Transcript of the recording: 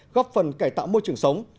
góp phần cải tạo môi trường sống